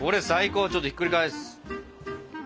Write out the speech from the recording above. ちょっとひっくり返す。